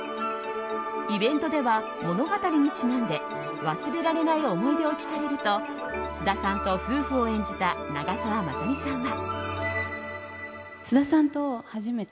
イベントでは物語にちなんで忘れられない思い出を聞かれると菅田さんと夫婦を演じた長澤まさみさんは。